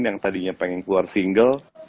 yang tadinya pengen keluar single